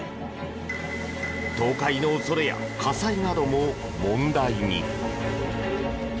倒壊の恐れや火災なども問題に。